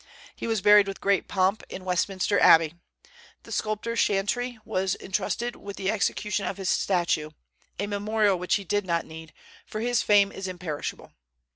He was buried with great pomp in Westminster Abbey. The sculptor Chantry was intrusted with the execution of his statue, a memorial which he did not need, for his fame is imperishable.